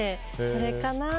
それかな？